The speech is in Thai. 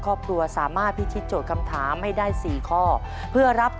ขอบคุณครับ